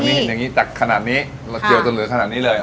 ก็คือจากนี้จากขนาดนี้เราเจียวจนเหลือขนาดนี้เลย